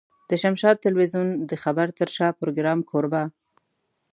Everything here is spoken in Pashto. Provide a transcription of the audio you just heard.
د شمشاد ټلوېزيون د خبر تر شا پروګرام کوربه.